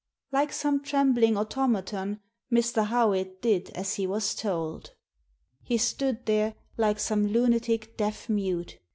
Like some trembling automaton Mr. Howitt did as he was told. He stood there like some lunatic deaf mute.